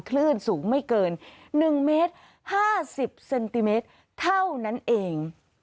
คลื่นสูงไม่เกิน๑เมตร๕๐เซนติเมตรเท่านั้นเอง